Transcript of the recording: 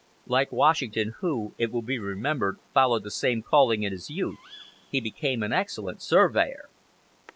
Like Washington, who, it will be remembered, followed the same calling in his youth, he became an excellent surveyor.